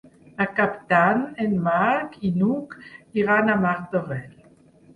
Per Cap d'Any en Marc i n'Hug iran a Martorell.